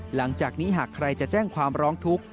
หลังจากนี้หากใครจะแจ้งความร้องทุกข์